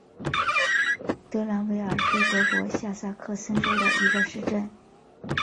兰德韦尔是德国下萨克森州的一个市镇。